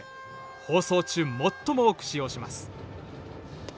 放送中、最も多く使用します。